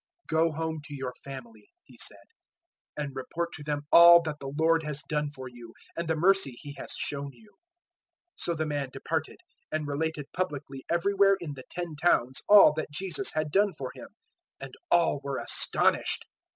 "Go home to your family," He said, "and report to them all that the Lord has done for you, and the mercy He has shown you." 005:020 So the man departed, and related publicly everywhere in the Ten Towns all that Jesus had done for him; and all were astonished.